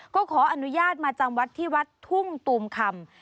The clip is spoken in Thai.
ก็ขออนุญาตมาจำวัดที่วัดทุ่งตูมคำ